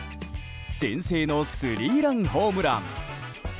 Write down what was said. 先制のスリーランホームラン。